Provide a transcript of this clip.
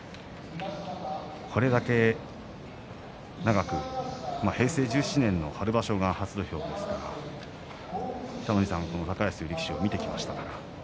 これだけ長く平成１７年の春場所が初土俵ですから北の富士さん、高安という力士を見てきましたか？